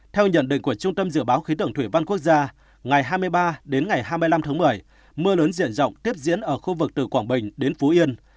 theo nhận định của trung tâm dự báo khí tượng thủy văn quốc gia ngày hai mươi ba đến ngày hai mươi năm tháng một mươi mưa lớn diện rộng tiếp diễn ở khu vực từ quảng bình đến phú yên